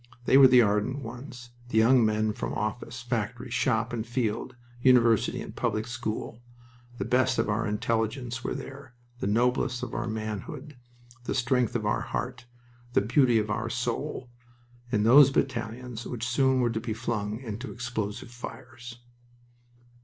They were the ardent ones, the young men from office, factory, shop, and field, university and public school. The best of our intelligence were there, the noblest of our manhood, the strength of our heart, the beauty of our soul, in those battalions which soon were to be flung into explosive fires.